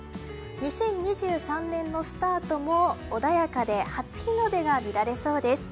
２０２３年のスタートも穏やかで初日の出が見られそうです。